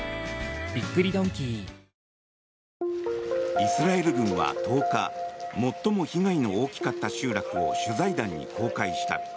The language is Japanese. イスラエル軍は１０日最も被害の大きかった集落を取材団に公開した。